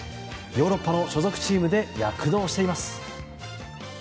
ヨーロッパの所属チームで躍動しています。